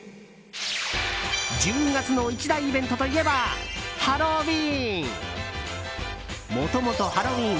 １０月の一大イベントといえばハロウィーン。